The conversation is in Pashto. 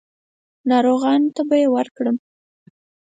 ناروغانو ته به یې ورکوم.